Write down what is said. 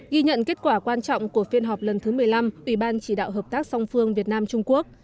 ghi nhận kết quả quan trọng của phiên họp lần thứ một mươi năm ủy ban chỉ đạo hợp tác song phương việt nam trung quốc